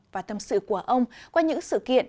và thâm sự của ông qua những sự kiện